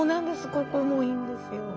ここもいいんですよ。